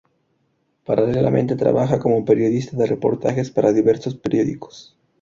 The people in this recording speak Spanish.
Paralelamente, trabaja como periodista de reportajes para diversos periódicos.